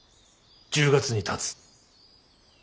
１０月にたつ。